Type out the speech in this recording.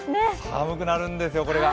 寒くなるんですよ、これが。